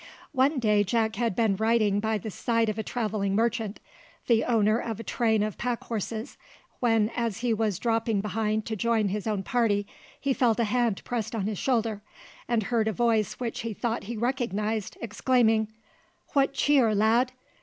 One day Jack had been riding by the side of a travelling merchant, the owner of a train of pack horses, when, as he was dropping behind to join his own party, he felt a hand pressed on his shoulder, and heard a voice which he thought he recognised exclaiming, "What cheer, lad?